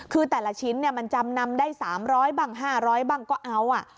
คือแต่ละชิ้นเนี้ยมันจำนำได้สามร้อยบ้างห้าร้อยบ้างก็เอาอ่ะ